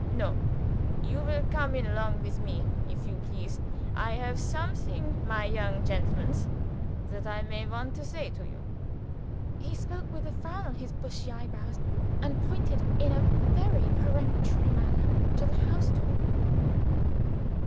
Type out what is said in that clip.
"No! you will come in along with me, if you please. I have something, my young gentlemans, that I may want to say to you." He spoke with a frown on his bushy eyebrows, and pointed in a very peremptory manner to the house door.